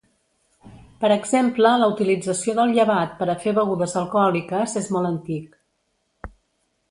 Per exemple la utilització del llevat per a fer begudes alcohòliques és molt antic.